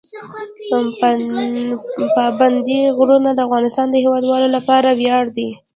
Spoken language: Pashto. پابندی غرونه د افغانستان د هیوادوالو لپاره ویاړ دی.